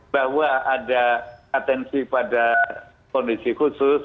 bahwa ada atensi pada kondisi khusus